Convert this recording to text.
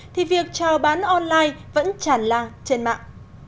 thì việc trào bán online vẫn chẳng là trên mạng